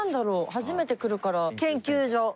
初めて来るから研究所。